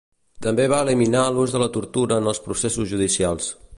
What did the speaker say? També va eliminar l'ús de la tortura en els processos judicials.